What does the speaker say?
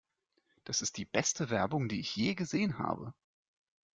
Das ist die beste Werbung, die ich je gesehen habe!